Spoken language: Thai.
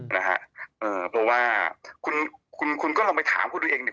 นะฮะเออเพราะว่าคุณก็ลองไปถามคุณเองเนี่ย